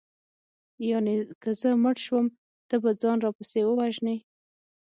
یانې که زه مړه شوم ته به ځان راپسې ووژنې